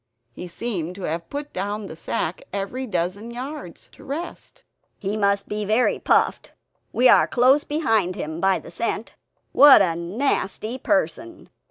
He seemed to have put down the sack every dozen yards, to rest. "He must be very puffed; we are close behind him, by the scent. What a nasty person!"